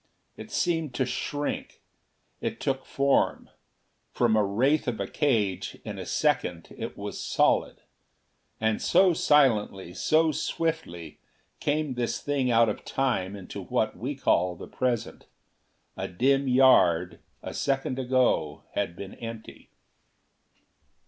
It seemed to shrink. It took form. From a wraith of a cage, in a second it was solid. And so silently, so swiftly, came this thing out of Time into what we call the Present! The dim yard a second ago had been empty.